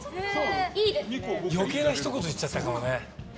余計なひと言言っちゃったからね。